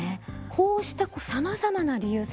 こうしたさまざまな理由齊藤さん